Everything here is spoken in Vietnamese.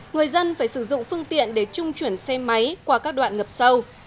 người dân phải sử dụng phương tiện để trung chuyển xe máy qua các đoạn ngập sâu